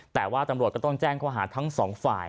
แต่ว่าตำรวจก็ต้องแจ้งข้อหาทั้งสองฝ่าย